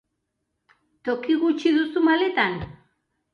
Toki gutxi duzu maletan?